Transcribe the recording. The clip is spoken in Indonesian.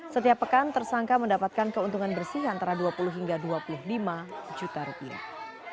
setiap pekan tersangka mendapatkan keuntungan bersih antara dua puluh hingga dua puluh lima juta rupiah